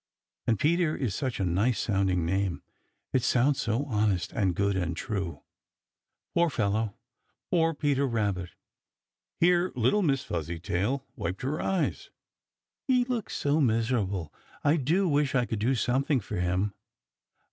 And Peter is such a nice sounding name! It sounds so honest and good and true. Poor fellow! Poor Peter Rabbit!" Here little Miss Fuzzytail wiped her eyes. "He looks so miserable I do wish I could do something for him.